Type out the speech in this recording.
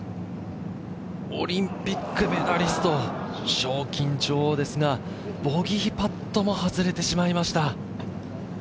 オリンピックメダリスト、賞金女王ですが、ボギーパットも外れてしまいました。